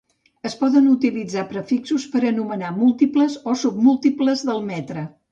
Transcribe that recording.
Es poden utilitzar prefixos per anomenar múltiples o submúltiples del metre.